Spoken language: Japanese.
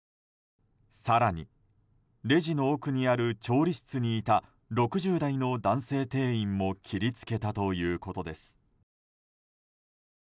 更にレジの奥にある調理室にいた６０代の男性店員も切りつけたということです。